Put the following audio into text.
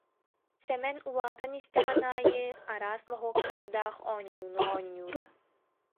Сэмэн улаатан истэҕин аайы араас моһуоктардаах оонньууну оонньуура